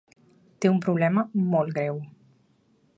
Té un problema molt greu.